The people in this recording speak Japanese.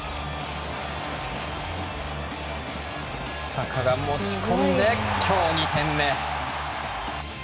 サカが持ち込んで、今日２点目。